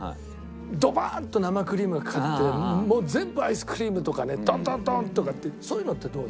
ドバーッと生クリームがかかってもう全部アイスクリームとかねドンドンドンとかってそういうのってどうですか？